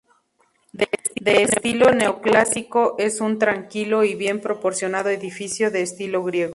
De estilo neoclásico es un tranquilo y bien proporcionado edificio de estilo griego.